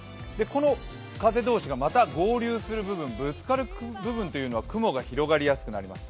この風同士がまた合流する部分、ぶつかる部分というのが雲が広がりやすくなります。